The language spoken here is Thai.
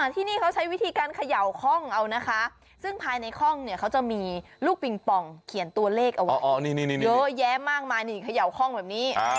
ที่นี่เขาใช้วิธีการเขย่าคล่องเอานะคะซึ่งภายในห้องเนี่ยเขาจะมีลูกปิงปองเขียนตัวเลขเอาไว้เยอะแยะมากมายนี่เขย่าคล่องแบบนี้